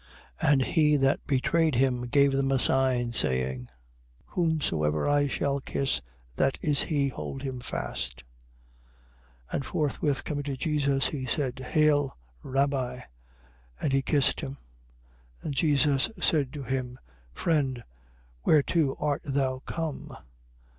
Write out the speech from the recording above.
26:48. And he that betrayed him gave them a sign, saying: Whomsoever I shall kiss, that is he. Hold him fast. 26:49. And forthwith coming to Jesus, he said: Hail, Rabbi. And he kissed him. 26:50. And Jesus said to him: Friend, whereto art thou come?